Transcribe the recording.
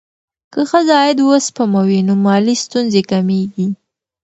که ښځه عاید وسپموي، نو مالي ستونزې کمېږي.